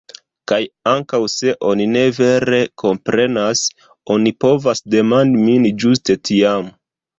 Kaj ankaŭ se oni ne vere komprenas, oni povas demandi min ĝuste tiam.